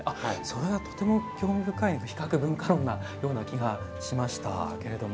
それはとても興味深い比較文化のような気がしました。